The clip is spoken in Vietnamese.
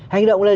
hành động là gì